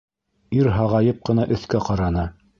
Ир һағайып ҡына өҫкә ҡараны.